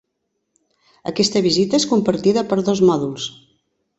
Aquesta visita és compartida per dos mòduls.